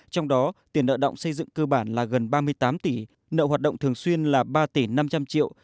trong đó tiền nợ động xây dựng cơ bản là gần ba mươi tám tỷ nợ hoạt động thường xuyên là ba tỷ năm trăm linh triệu